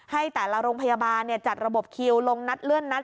ให้แต่ละโรงพยาบาลจัดระบบคิวลงนัดเลื่อนนัด